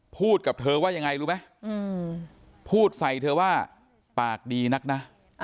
พูดกับเธอว่ายังไงรู้ไหมพูดใส่เธอว่าปากดีนักนะ